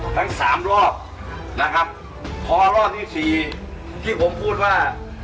ทั้งสามรอบนะครับพอรอบที่สี่ที่ผมพูดว่า